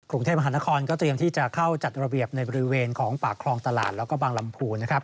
กรุงเทพมหานครก็เตรียมที่จะเข้าจัดระเบียบในบริเวณของปากคลองตลาดแล้วก็บางลำพูนนะครับ